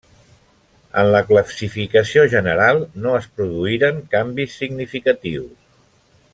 En la classificació general no es produïren canvis significatius.